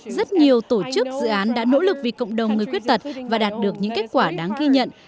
rất nhiều tổ chức dự án đã nỗ lực vì cộng đồng người khuyết tật và đạt được những kết quả đáng ghi nhận